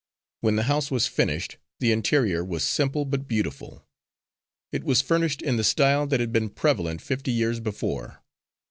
When the house was finished, the interior was simple but beautiful. It was furnished in the style that had been prevalent fifty years before.